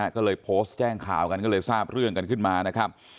ก็เลยโพสต์แจ้งข่าวกันก็เลยทราบเรื่องกันขึ้นมานะครับ